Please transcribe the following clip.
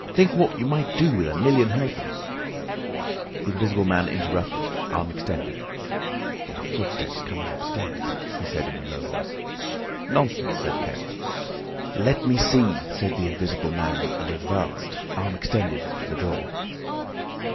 Think what you might do with a million helpers—" The Invisible Man interrupted—arm extended. "There are footsteps coming upstairs," he said in a low voice. "Nonsense," said Kemp. "Let me see," said the Invisible Man, and advanced, arm extended, to the door.